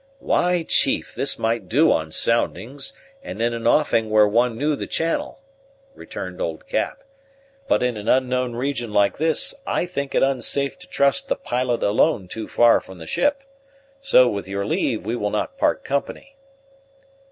"Why, chief, this might do on soundings, and in an offing where one knew the channel," returned old Cap; "but in an unknown region like this I think it unsafe to trust the pilot alone too far from the ship: so, with your leave, we will not part company."